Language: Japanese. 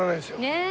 ねえ！